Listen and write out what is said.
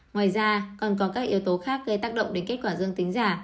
ngoài ra còn có các yếu tố khác gây tác động đến kết quả dương tính giả